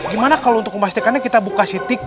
gimana kalau untuk memastikannya kita buka titik